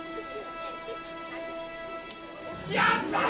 やったな！